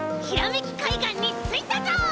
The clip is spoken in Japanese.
ひらめきかいがんについたぞ！